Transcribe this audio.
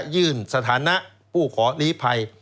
ยื่นสถานะผู้ขอลีภัย